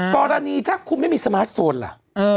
กรณีถ้าคุณไม่มีสมาร์ทโฟนล่ะ